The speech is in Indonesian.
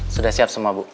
sudah siap semua bu